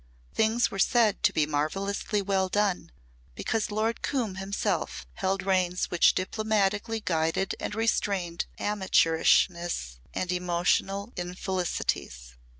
Things were said to be marvellously well done because Lord Coombe himself held reins which diplomatically guided and restrained amateurishness and emotional infelicities.